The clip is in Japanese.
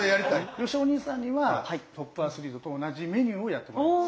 よしお兄さんにはトップアスリートと同じメニューをやってもらいます。